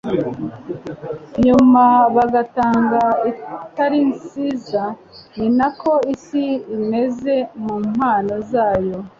nyuma bagatanga itari nziza, ni nako isi imeze mu mpano zayo